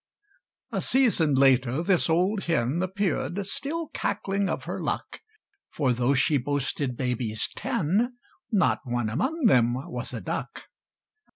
A season later, this old hen Appeared, still cackling of her luck, For, though she boasted babies ten, Not one among them was a duck!